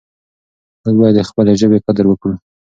موږ باید د خپلې ژبې قدر وکړو.